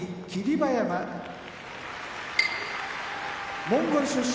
馬山モンゴル出身